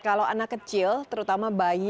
kalau anak kecil terutama bayi